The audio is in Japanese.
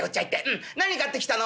何買ってきたの？」